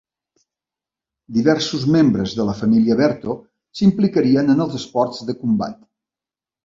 Diversos membres de la família Berto s'implicarien en els esports de combat.